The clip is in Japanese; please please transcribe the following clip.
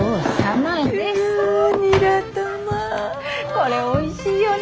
これおいしいよね。